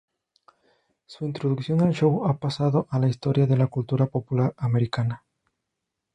Su introducción al show ha pasado a la historia de la cultura popular americana.